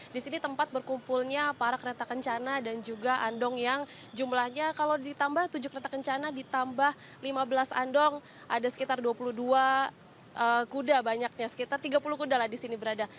di sini tempat berkumpulnya para kereta kencana dan juga andong yang jumlahnya kalau ditambah tujuh kereta kencana ditambah lima belas andong ada sekitar dua puluh dua kuda banyaknya sekitar tiga puluh kuda lah di sini berada